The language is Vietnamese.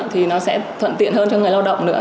thì nó sẽ thuận tiện hơn cho người lao động nữa